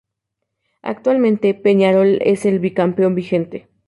Actualmente, Peñarol es el bi-campeón vigente.